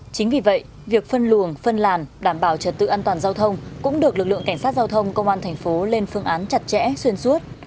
chính vì vậy việc phân luồng phân làn đảm bảo trật tự an toàn giao thông cũng được lực lượng cảnh sát giao thông công an thành phố lên phương án chặt chẽ xuyên suốt